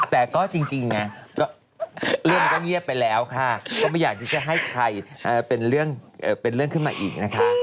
แต่ก็จริงไงก็เรื่องก็เงียบไปแล้วค่ะก็ไม่อยากที่จะให้ใครเป็นเรื่องขึ้นมาอีกนะคะ